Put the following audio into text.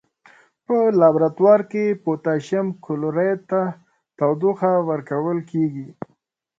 په لابراتوار کې پوتاشیم کلوریت ته تودوخه ورکول کیږي.